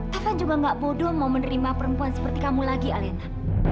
kita juga gak bodoh mau menerima perempuan seperti kamu lagi alina